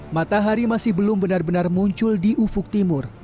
matahari masih belum benar benar muncul di ufuk timur